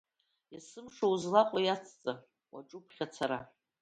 Есымша, узлаҟоу иацҵа, уаҿуп ԥхьа цара.